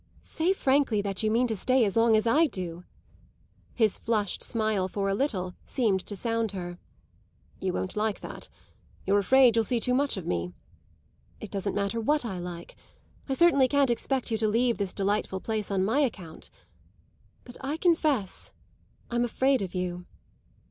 "Say frankly that you mean to stay as long as I do!" His flushed smile, for a little, seemed to sound her. "You won't like that. You're afraid you'll see too much of me." "It doesn't matter what I like. I certainly can't expect you to leave this delightful place on my account. But I confess I'm afraid of you."